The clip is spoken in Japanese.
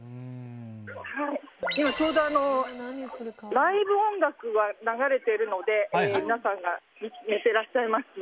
今、ちょうどライブ音楽が流れているので皆さんが見ていらっしゃいますね。